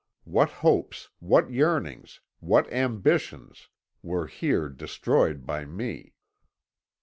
"What hopes, what yearnings, what ambitions, were here destroyed by me!